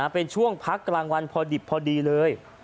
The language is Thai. เป็นช่วงพักกลางวันพอดิบพอดีเลย